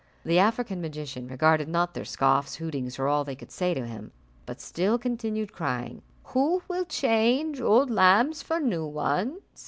The African magician regarded not their scoffs, hootings, or all they could say to him, but still continued crying, "Who will change old lamps for new ones?"